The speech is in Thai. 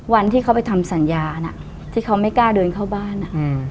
วันที่เขาไปทำสัญญาน่ะที่เขาไม่กล้าเดินเข้าบ้าน